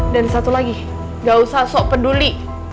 dan satu lagi gak usah sok peduli